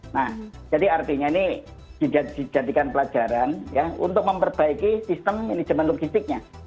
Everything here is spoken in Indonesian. nah jadi artinya ini dijadikan pelajaran ya untuk memperbaiki sistem manajemen logistiknya